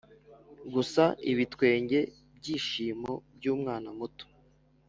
gusa ibitwenge byishimo byumwana muto. "